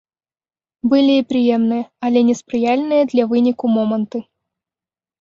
Былі і прыемныя, але неспрыяльныя для выніку моманты.